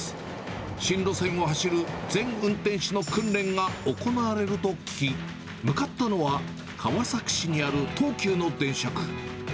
新路線を走る全運転士の訓練が行われると聞き、向かったのは、川崎市にある東急の電車区。